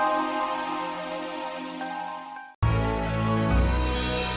ah area itu memang oke